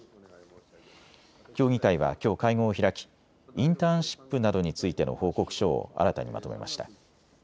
協議会はきょう会合を開きインターンシップなどについての報告書を新たにまとめました。